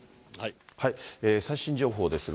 最新情報ですが。